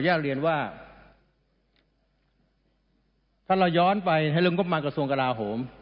ขอแยกเรียนว่าถ้าเราย้อนไปให้เริ่มงบมากกระทรวงกระดาษโหม